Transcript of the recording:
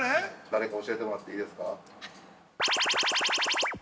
◆誰か教えてもらっていいですか。